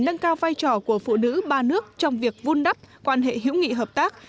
nâng cao vai trò của phụ nữ ba nước trong việc vun đắp quan hệ hữu nghị hợp tác